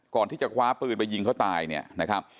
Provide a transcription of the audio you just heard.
ก่อนที่จะคว้าปืนไปยิงเขาตายเนี่ยนะครับ